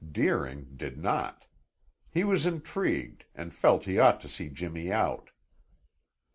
Deering did not. He was intrigued, and felt he ought to see Jimmy out.